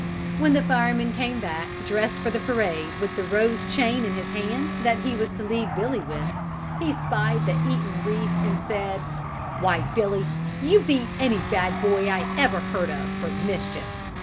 When the fireman came back dressed for the parade with the rose chain in his hand that he was to lead Billy with, he spied the eaten wreath, and said: "Why, Billy, you beat any bad boy I ever heard of for mischief!